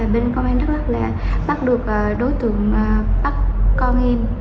bên công an đắk lạc bắt được đối tượng bắt con em